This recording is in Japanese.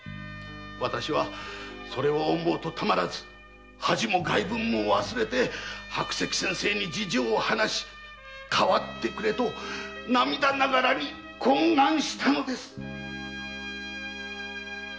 私はそれを思うと恥も外聞も忘れて白石先生に代わってくれと涙ながらに懇願したのです。